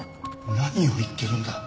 何を言ってるんだ？